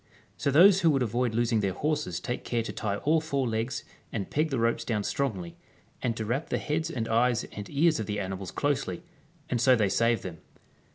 So those who would avoid losing their horses take care to tie all four legs and peg the ropes down strongly, and to wrap the heads and eyes and ears of the animals closely, and so they save them.